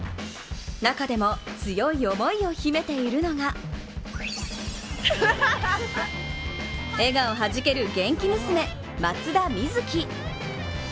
中でも強い思いを秘めているのが笑顔はじける元気娘・松田瑞生。